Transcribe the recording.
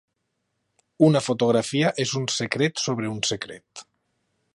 Una fotografia és un secret sobre un secret.